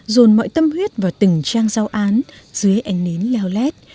dồn mọi tâm huyết vào từng trang giao án dưới ánh nến leo lét